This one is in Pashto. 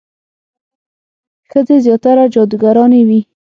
ښځې زیاتره جادوګرانې وي.